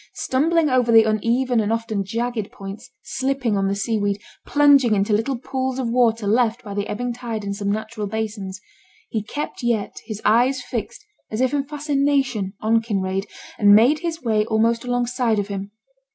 Stumbling over the uneven and often jagged points, slipping on the sea weed, plunging into little pools of water left by the ebbing tide in some natural basins, he yet kept his eyes fixed as if in fascination on Kinraid, and made his way almost alongside of him.